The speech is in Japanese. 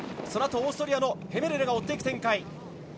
そのあとオーストリアのヘメルレが追っていく展開。